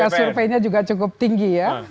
surveinya juga cukup tinggi ya